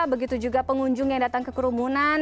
begitu juga pengunjung yang datang ke kerumunan